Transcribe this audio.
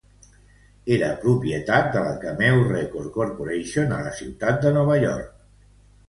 Era propietat de la Cameo Record Corporation a la ciutat de Nova York.